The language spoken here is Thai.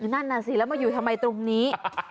นั่นน่ะสิแล้วมาอยู่ทำไมตรงนี้